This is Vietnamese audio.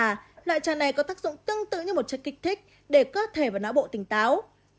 tuy nhiên loại trà này có tác dụng tương tự như một trà kích thích để cơ thể và não bộ tỉnh táo